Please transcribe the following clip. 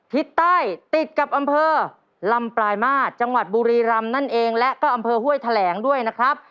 ทิศใต้ติดกับอำเภอลำปลายมาตรจังหวัดบุรีรำนั่นเองและก็อำเภอห้วยแถลงด้วยนะครับ